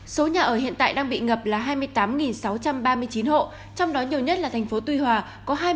số nhà ở hiện tại đang bị ngập là hai mươi tám sáu trăm ba mươi chín hộ trong đó nhiều nhất là thành phố tuy hòa có hai mươi tám trăm sáu mươi nhà